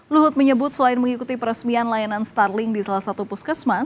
luhut menyebut selain mengikuti peresmian layanan starling di salah satu puskesmas